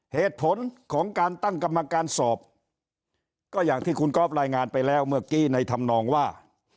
เหตุผลของการตั้งกรรมการสอบก็อย่างที่คุณก๊อฟรายงานไปแล้วเมื่อกี้ในธรรมนองว่า